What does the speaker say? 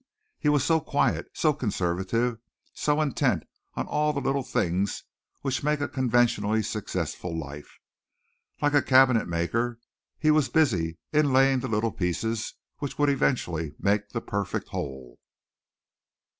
He was so quiet, so conservative, so intent on all the little things which make a conventionally successful life. Like a cabinet maker, he was busy inlaying the little pieces which would eventually make the perfect whole.